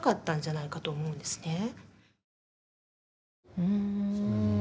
うん。